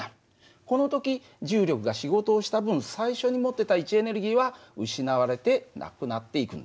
この時重力が仕事をした分最初に持ってた位置エネルギーは失われてなくなっていくんだね。